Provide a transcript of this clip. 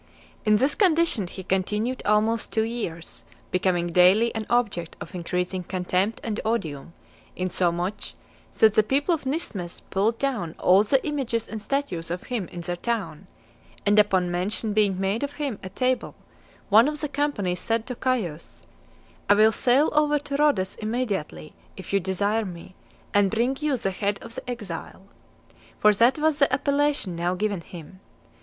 In this condition he continued almost two years, becoming daily an object of increasing contempt and odium; insomuch that the people of Nismes pulled down all the images and statues of him in their town; and upon mention being made of him at table one of the company said to Caius, "I will sail over to Rhodes immediately, if you desire me, and bring you the head of the exile;" for that was the appellation now given him.